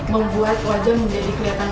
membuat wajah menjadi kelihatan